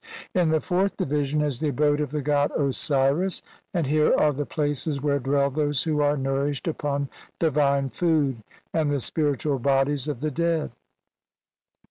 In the fourth division is the abode of the god Osiris, and here are the places where dwell those who are nourished upon divine food, and the spiritual bodies of the dead.